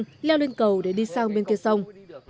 các đơn vị thi công leo lên cầu để đi sang bên kia sông